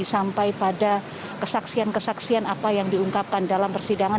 sampai pada kesaksian kesaksian apa yang diungkapkan dalam persidangan